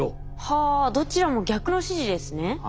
はあどちらも逆の指示ですね。